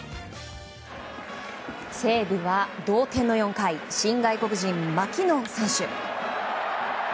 西武は同点の４回新外国人、マキノン選手。